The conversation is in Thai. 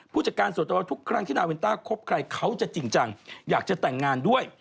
จัดการส่วนตัวทุกครั้งที่นาวินต้าคบใครเขาจะจริงจังอยากจะแต่งงานด้วย